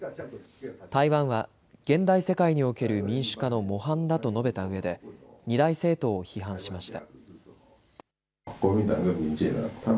台湾は現代世界における民主化の模範だと述べたうえで２大政党を批判しました。